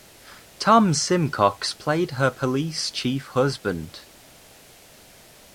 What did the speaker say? Tom Simcox played her police chief husband.